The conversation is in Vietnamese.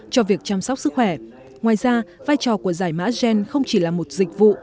cho việc chăm sóc sức khỏe ngoài ra vai trò của giải mã gen không chỉ là một dịch vụ